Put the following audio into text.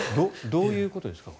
どういうことですか？